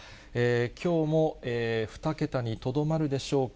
きょうも２桁にとどまるでしょうか。